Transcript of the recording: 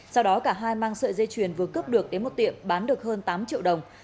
sau đó cả hai mang sợi dây chuyền vừa cướp được đến một tiệm bán được hơn tám triệu đồng